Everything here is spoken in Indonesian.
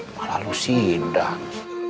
malah lu sindang